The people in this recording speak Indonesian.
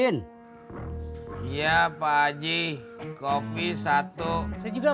ini kan jatah saya